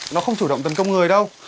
nó không chủ động tấn công người đâu